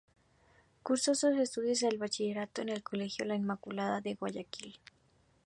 Cursó sus estudios del bachillerato en el colegio "La Inmaculada" de Guayaquil.